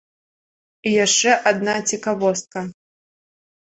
І яшчэ адна цікавостка.